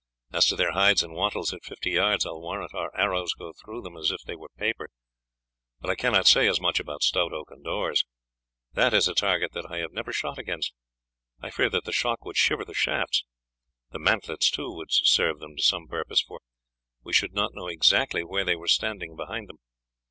"As to their hides and wattles, at fifty yards I will warrant our arrows go through them as if they were paper; but I cannot say as much about stout oaken doors that is a target that I have never shot against; I fear that the shock would shiver the shafts. The mantlets too would serve them to some purpose, for we should not know exactly where they were standing behind them.